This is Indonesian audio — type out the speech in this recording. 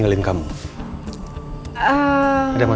so sekarang notepad nya jam sebelas